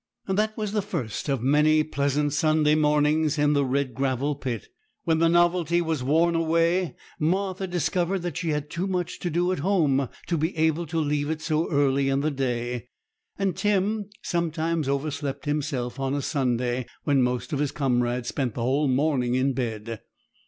That was the first of many pleasant Sunday mornings in the Red Gravel Pit. When the novelty was worn away, Martha discovered that she had too much to do at home to be able to leave it so early in the day; and Tim sometimes overslept himself on a Sunday, when most of his comrades spent the whole morning in bed.